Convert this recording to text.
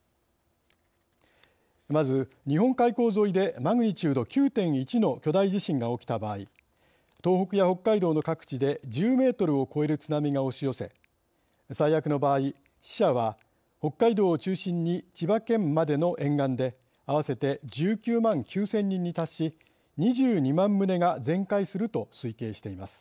まず日本海溝沿いでマグニチュード９．１の巨大地震が起きた場合東北や北海道の各地で１０メートルを超える津波が押し寄せ最悪の場合死者は北海道を中心に千葉県までの沿岸で合わせて１９万９，０００人に達し２２万棟が全壊すると推計しています。